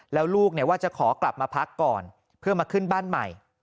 แล้วลูกว่าจะขอกลับมาพักก่อนเพื่อมาขึ้นบ้านใหม่